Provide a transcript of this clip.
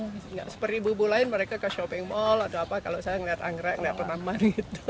tidak seperti ibu ibu lain mereka ke shopping mall atau apa kalau saya melihat anggrek nggak pernah mari